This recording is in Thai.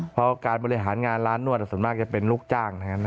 เพราะการบริหารงานร้านนวดส่วนมากจะเป็นลูกจ้างนะครับ